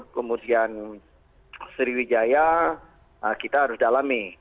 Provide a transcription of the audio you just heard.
kemudian sriwijaya kita harus dalami